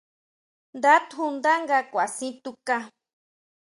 Nda tjundá nga kʼuasin tukaá.